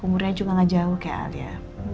umurnya cuma gak jauh kayak alia